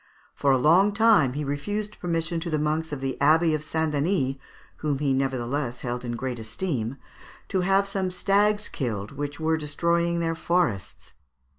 For a long time he refused permission to the monks of the Abbey of St. Denis, whom he nevertheless held in great esteem, to have some stags killed which were destroying their forests.